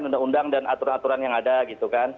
undang undang dan aturan aturan yang ada gitu kan